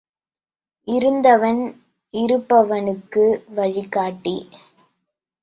இருந்தவன் இருப்பவனுக்கு வழிகாட்டி.